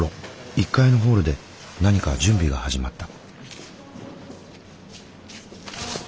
１階のホールで何か準備が始まった。